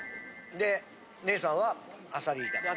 で姉さんはあさり炒め。